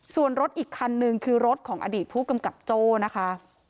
ส่วนรถอีกคันนึงคือรถของอดีตผู้กำกับโจ้นะคะ